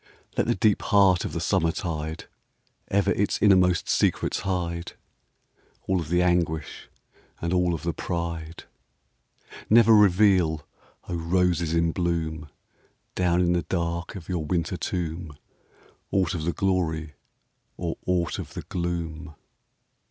Let the deep heart of the summertide Ever its innermost secrets hide, — All of the anguish and all of the pride. Never reveal, O roses in bloom, Down in the dark of your winter tomb, Aught of the glory or aught of the gloom